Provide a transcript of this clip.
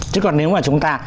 chứ còn nếu mà chúng ta